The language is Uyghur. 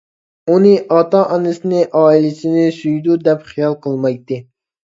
ئۇنى ئاتا-ئانىسىنى، ئائىلىسىنى سۈيىدۇ دەپ خىيال قىلمايتتى.